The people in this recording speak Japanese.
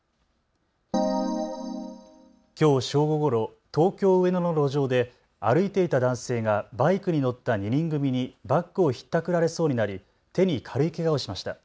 きょう正午ごろ、東京上野の路上で歩いていた男性がバイクに乗った２人組にバッグをひったくられそうになり手に軽いけがをしました。